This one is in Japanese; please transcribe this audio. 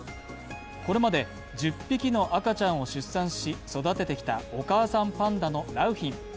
これまで１０匹の赤ちゃんを出産し、育ててきたお母さんパンダの良浜。